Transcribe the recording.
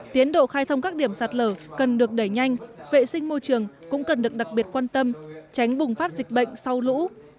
tiến độ khai thông các điểm sạt lở cần được đẩy nhanh vệ sinh môi trường cũng cần được đặc biệt quan tâm tránh bùng phát dịch bệnh sau lũ